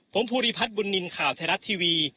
ผมภูริพัฒน์บุญนินทร์ข่าวไทยรัฐทีวี